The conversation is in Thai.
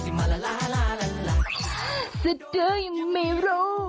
สดเจ้ายังไม่รู้